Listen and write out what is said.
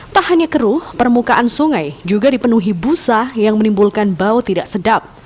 tak hanya keruh permukaan sungai juga dipenuhi busa yang menimbulkan bau tidak sedap